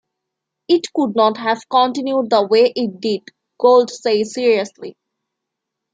"It could not have continued the way it did," Gould says seriously.